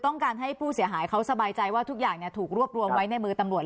ต้องการให้ผู้เสียหายเขาสบายใจว่าทุกอย่างถูกรวบรวมไว้ในมือตำรวจ